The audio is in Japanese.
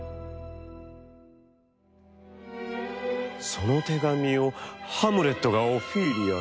「その手紙をハムレットがオフィーリアに？」。